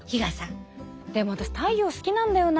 でも私太陽好きなんだよな。